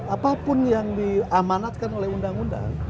apapun yang diamanatkan oleh undang undang